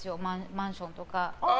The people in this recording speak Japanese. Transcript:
マンションとか。